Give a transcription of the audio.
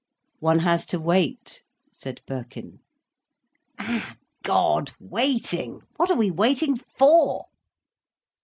"One has to wait," said Birkin. "Ah God! Waiting! What are we waiting for?"